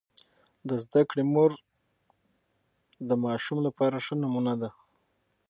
د زده کړې مور د ماشوم لپاره ښه نمونه ده.